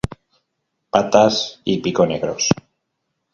Patas y pico negros.